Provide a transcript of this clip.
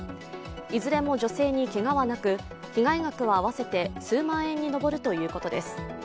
いずれも女性にけがはなく被害額は合わせて数万円に上るということです。